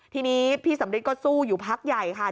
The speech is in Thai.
ทีนี้พี่สำริทก็สู้อยู่พักใหญ่ค่ะ